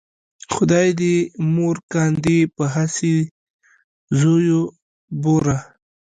خدای دې مور کاندې په هسې زویو بوره